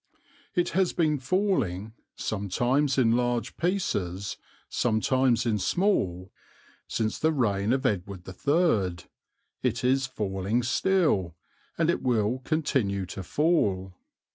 It has been falling sometimes in large pieces, sometimes in small since the reign of Edward III; it is falling still, and it will continue to fall.